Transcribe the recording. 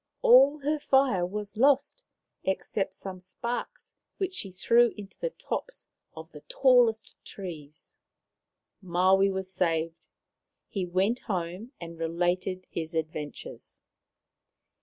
All her fire was lost except some sparks which she threw into the tops of the tallest trees. 88 Maoriland Fairy Tales Maui was saved. He went home and related his adventures.